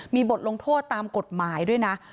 มีบทลงโทษตามกฎหมายด้วยนะ